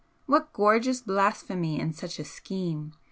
What gorgeous blasphemy in such a scheme!